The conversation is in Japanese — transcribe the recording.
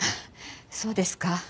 そうですか。